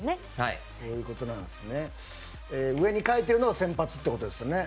上に書いているのは先発ということですよね。